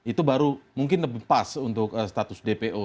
itu baru mungkin pas untuk status dpo